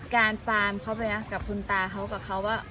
การฟาร์มเขาไปกับคุณตาเขากับเขาว่า